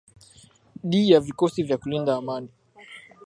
di ya vikosi vya kulinda amani